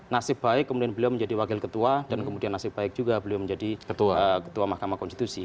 nasib baik kemudian beliau menjadi wakil ketua dan kemudian nasib baik juga beliau menjadi ketua mahkamah konstitusi